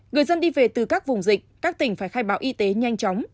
người dân đi về từ các vùng dịch các tỉnh phải khai báo y tế nhanh chóng